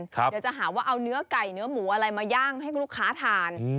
เดี๋ยวจะหาว่าเอาเนื้อไก่เนื้อหมูอะไรมาย่างให้ลูกค้าทาน